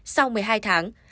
sau một mươi hai tháng